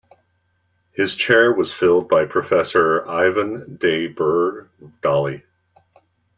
His chair was filled by Professor Ivan De Burgh Daly.